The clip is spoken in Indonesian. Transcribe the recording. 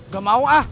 gak mau ah